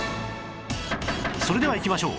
それではいきましょう